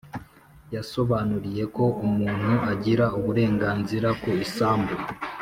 yabasobanuriye ko umuntu agira uburenganzira ku isambu